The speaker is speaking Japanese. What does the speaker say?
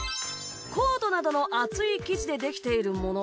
コートなどのあついきじでできているもの